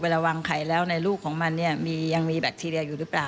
เวลาวางไข่แล้วในรูปของมันยังมีแบคทีเรียอยู่หรือเปล่า